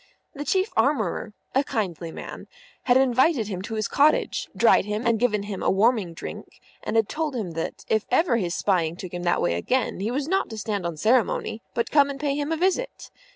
The Chief Armourer, a kindly man, had invited him to his cottage, dried him and given him a warming drink, and had told him that, if ever his spying took him that way again, he was not to stand on ceremony, but come in and pay him a visit.